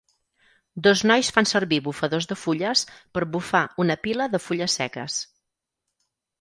Dos nois fan servir bufadors de fulles per bufar una pila de fulles seques.